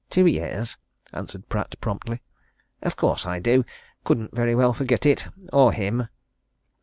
"Two years," answered Pratt promptly. "Of course I do. Couldn't very well forget it, or him."